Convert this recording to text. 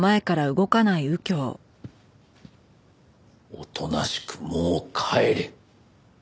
おとなしくもう帰れ。